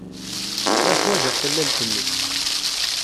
Ur ḥwajeɣ tallalt-nnek.